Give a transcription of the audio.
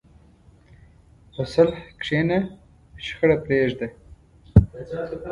په صلح کښېنه، شخړه پرېږده.